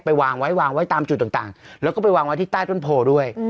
วางไว้วางไว้ตามจุดต่างแล้วก็ไปวางไว้ที่ใต้ต้นโพด้วย